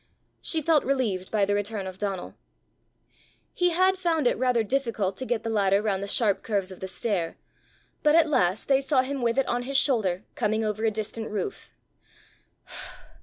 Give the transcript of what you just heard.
She felt relieved by the return of Donal. He had found it rather difficult to get the ladder round the sharp curves of the stair; but at last they saw him with it on his shoulder coming over a distant roof.